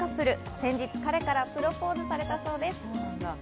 先日彼からプロポーズされたそうです。